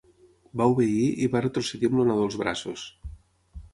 Va obeir i va retrocedir amb el nadó als braços.